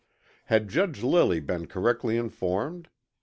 Had Judge Lilly been correctly informed?